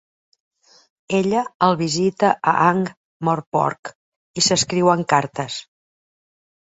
Ella el visita a Ankh-Morpork, i s'escriuen cartes.